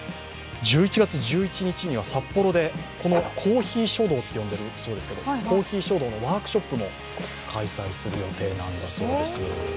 １１月１１日には札幌で、コーヒー書道と呼んでいるそうですが、コーヒー書道のワークショップも開催する予定なんだそうです。